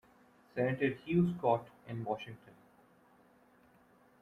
Senator Hugh Scott in Washington.